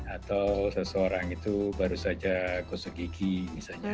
atau seseorang itu baru saja gosok gigi misalnya